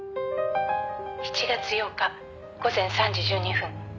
「７月８日午前３時１２分」